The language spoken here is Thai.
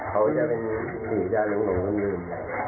จะเป็นสีกะลงลืม